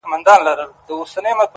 دا كار د بې غيرتو په پردي كي پاته سوى.!